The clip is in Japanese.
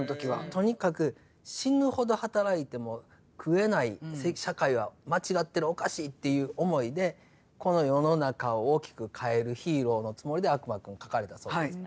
とにかく死ぬほど働いても食えない社会は間違ってるおかしいっていう思いでこの世の中を大きく変えるヒーローのつもりで「悪魔くん」描かれたそうです。